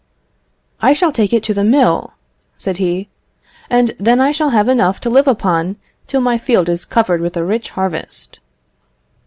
"I shall take it to the mill," said he, "and then I shall have enough to live upon till my field is covered with a rich harvest."